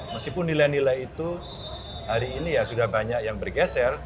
meskipun nilai nilai itu hari ini ya sudah banyak yang bergeser